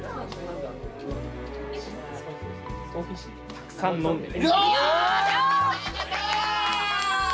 たくさん飲んでね。